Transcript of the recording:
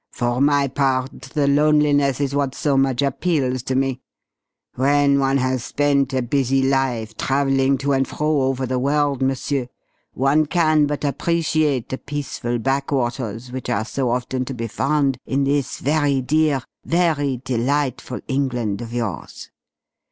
"For my part the loneliness is what so much appeals to me. When one has spent a busy life travelling to and fro over the world, m'sieur, one can but appreciate the peaceful backwaters which are so often to be found in this very dear, very delightful England of yours.